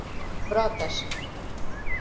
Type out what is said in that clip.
Brotas